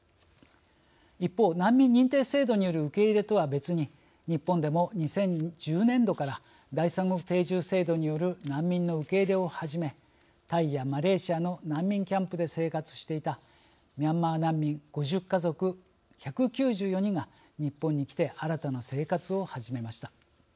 一方、難民認定制度による受け入れとは別に日本でも２０１０年度から第三国定住制度による難民の受け入れを始めタイやマレーシアの難民キャンプで生活していたミャンマー難民５０家族１９４人が日本に来て新たな生活を始めました。